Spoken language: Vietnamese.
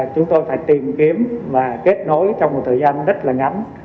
chúng tôi phải tìm kiếm và kết nối trong một thời gian rất là ngắn